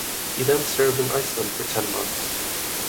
He then served in Iceland for ten months.